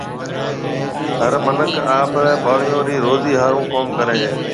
هر مِنک آپرَي ٻاݪيون رِي روزِي هارون ڪوم ڪريَ هيَ۔